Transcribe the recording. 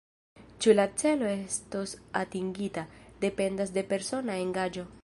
Ĉu la celo estos atingita, dependas de persona engaĝo.